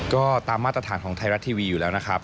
ก็ตามมาตรฐานของไทยรัฐทีวีอยู่แล้วนะครับ